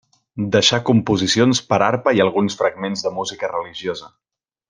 Deixà composicions per a arpa i alguns fragments de música religiosa.